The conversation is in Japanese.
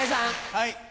はい。